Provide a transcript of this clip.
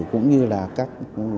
cũng như là các